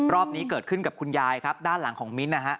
นี้เกิดขึ้นกับคุณยายครับด้านหลังของมิ้นท์นะฮะ